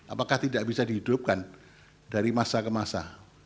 apakah tidak bisa dihidupkan dari masa ke masa